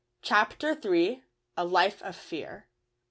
CHAPTER III. A LIFE OF FEAR.